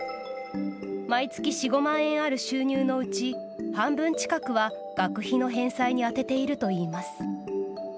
毎月４５万円ある収入のうち半分近くは、学費の返済に充てているといいます。